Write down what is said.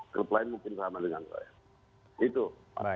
klub lain mungkin sama dengan saya